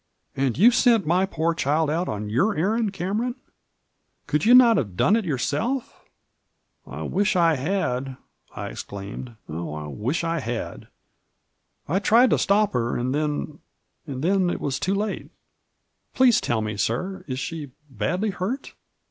"And you sent my poor child out on your errand, Cameron 1 Could you not have done it yourself?" " I wish I had 1 " I exclaimed ; "oh, I wish I had ! I tried to stop her, and then — and then it was too late. Please tell me, sir, is she badly hurt?"